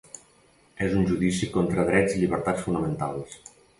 És un judici contra drets i llibertats fonamentals.